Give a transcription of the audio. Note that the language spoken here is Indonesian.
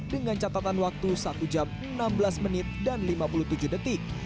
dengan catatan waktu satu jam enam belas menit dan lima puluh tujuh detik